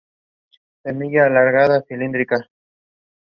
Stas has two weeks to find the killer and protect Vera.